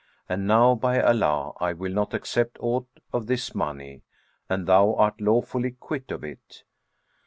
and now, by Allah, I will not accept aught of this money and thou art lawfully quit of it.'